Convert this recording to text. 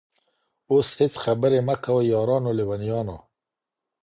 اوس هيڅ خبري مه كوی يارانو ليـونيانـو